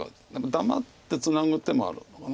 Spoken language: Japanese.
黙ってツナぐ手もあるのかな。